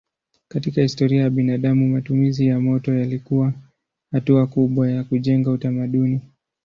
Katika historia ya binadamu matumizi ya moto yalikuwa hatua kubwa ya kujenga utamaduni.